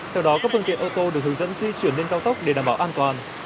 theo đó các phương tiện ô tô được hướng dẫn di chuyển lên cao tốc để đảm bảo an toàn